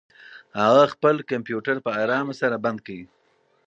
هغه خپل کمپیوټر په ارامه سره بند کړ.